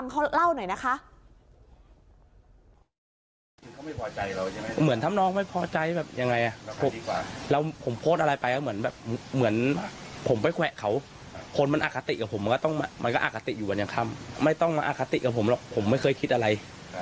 เขาคนมันอาคติกับผมมันก็อาคติอยู่กันอย่างค่ำไม่ต้องมาอาคติกับผมหรอกผมไม่เคยคิดอะไร